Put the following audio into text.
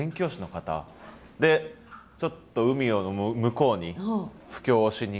でちょっと海の向こうに布教をしに。